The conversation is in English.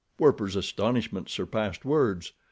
Werper's astonishment surpassed words.